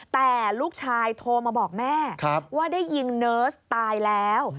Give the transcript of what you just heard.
แต่ลูกชายโทรมาบอกแม่ว่าได้ยิงเนิร์สตายแล้ว